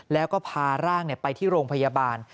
แล้วก็พาร่างไปที่โรงพยาบาล